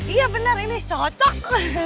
iya benar ini cocok